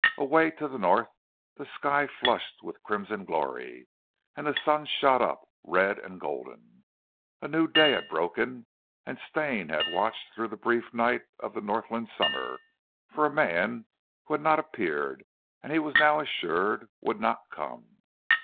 Away to the north the sky flushed with crimson glory, then the sun shot up red and golden. A new day had broken; and Stane had watched through the brief night of the Northland summer for a man who had not appeared and he was now assured, would not come.